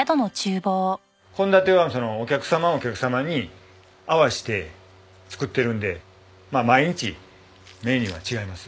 献立はそのお客様お客様に合わせて作ってるんで毎日メニューは違います。